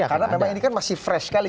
karena memang ini kan masih fresh kali